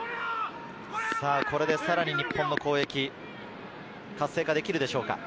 これでさらに日本の攻撃、活性化できるでしょうか？